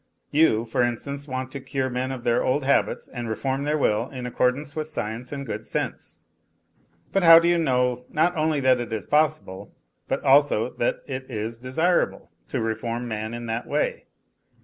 You, for instance, want to cure men of their old habits and reform their will in accordance with science and good sense. But how do you know, not only that it is possible, but also that it is desirable, to reform man in that way